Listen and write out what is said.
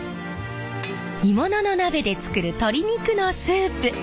鋳物の鍋で作る鶏肉のスープ。